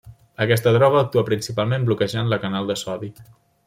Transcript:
Aquesta droga actua principalment bloquejant la canal de sodi.